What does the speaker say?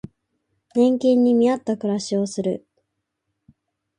年金に見合った暮らしをする